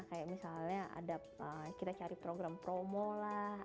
kayak misalnya ada kita cari program promo lah